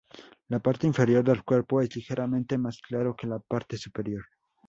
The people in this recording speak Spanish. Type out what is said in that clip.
La parte inferior del cuerpo es ligeramente más claro que la parte superior.